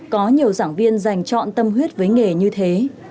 có nhiều giảng viên dành chọn tâm huyết với nghề như thế